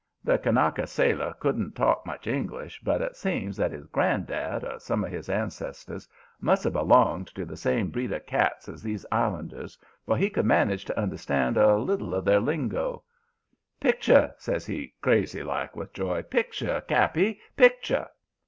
The Kanaka sailor couldn't talk much English, but it seems that his granddad, or some of his ancestors, must have belonged to the same breed of cats as these islanders, for he could manage to understand a little of their lingo. "'Picture!' says he, crazy like with joy. 'Picture, cappy; picture!'